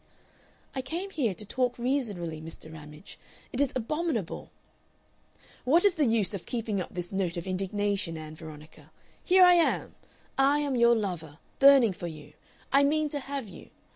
"I came here to talk reasonably, Mr. Ramage. It is abominable " "What is the use of keeping up this note of indignation, Ann Veronica? Here I am! I am your lover, burning for you. I mean to have you!